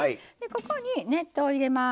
ここに熱湯を入れます。